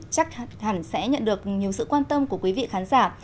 chắc hẳn sẽ nhận được nhiều sự quan tâm của quý vị khán giả